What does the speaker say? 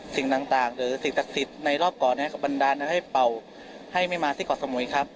สิ่งต่างหรือสิ่งศักดิ์สิทธิ์ในรอบก่อนให้กับบันดาลให้เป่าให้ไม่มาที่เกาะสมุยครับ